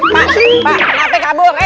pak pak kenapa kabur